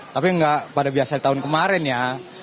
tapi nggak pada biasa di tahun kemarin ya